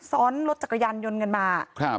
ซ้อนรถจักรยานยนต์กันมา